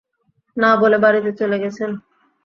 না বলে বাড়িতে চলে গেছেন।